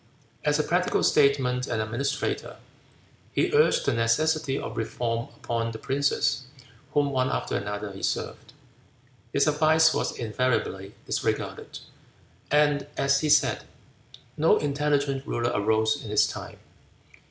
As a practical statesman and administrator, he urged the necessity of reform upon the princes whom one after another he served. His advice was invariably disregarded, and as he said "no intelligent ruler arose in his time."